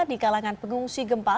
di kalangan pengungsi gempa